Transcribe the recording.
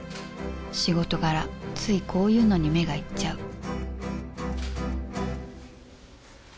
仕事柄ついこういうのに目がいっちゃう